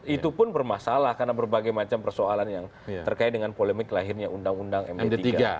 itu pun bermasalah karena berbagai macam persoalan yang terkait dengan polemik lahirnya undang undang md tiga